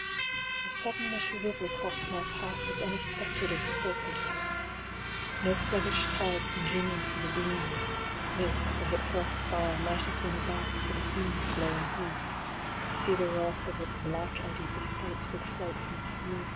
A sudden little river crossed my path As unexpected as a serpent comes. 110 No sluggish tide congenial to the glooms; This, as it frothed by, might have been a bath For the fiend's glowing hoof to see the wrath Of its black eddy bespate with flakes and spumes.